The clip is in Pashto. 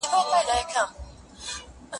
د عیسوي کال اوښتون سره لا نه یم بلد